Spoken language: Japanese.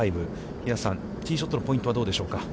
平瀬さん、ティーショットのポイントはどうでしょうか。